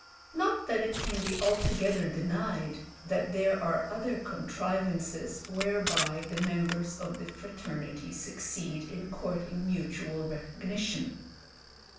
Not that it can be altogether denied that there are other contrivances whereby the members of the fraternity succeed in courting mutual recognition.